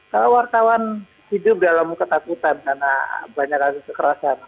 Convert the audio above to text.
kalau wartawan hidup dalam ketakutan karena banyak kasus kekerasan